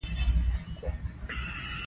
د يو بل څخه پرده اخلي